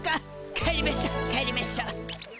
帰りましょ帰りましょ。